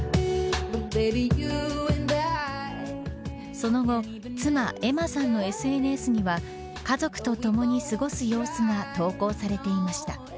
その後、妻エマさんのＳＮＳには家族と共に過ごす様子が投稿されていました。